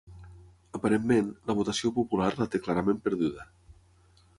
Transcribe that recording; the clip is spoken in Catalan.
Aparentment, la votació popular la té clarament perduda.